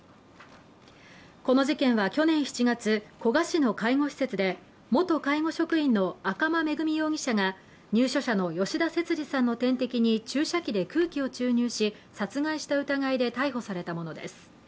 この事件は去年７月、古河市の介護施設で元介護職員の赤間恵美容疑者が入所者の吉田節次さんの点滴に注射器で空気を注入し、殺害した疑いで逮捕されたものです。